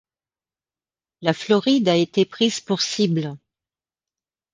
La Floride a été prise pour cible.